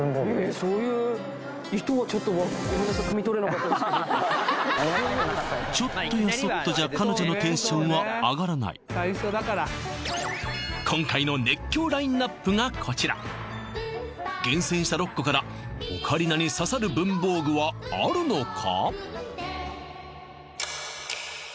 そういうちょっとやそっとじゃ今回の熱狂ラインナップがこちら厳選した６個からオカリナに刺さる文房具はあるのか？